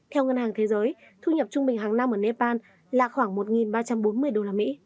theo ngân hàng thế giới thu nhập trung bình hàng năm ở nepal là khoảng một ba trăm bốn mươi usd